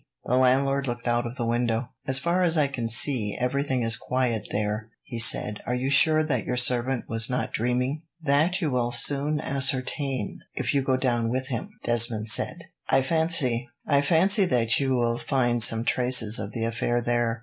The landlord looked out of the window. "As far as I can see, everything is quiet there," he said. "Are you sure that your servant was not dreaming?" "That you will soon ascertain, if you go down with him," Desmond said. "I fancy that you will find some traces of the affair there."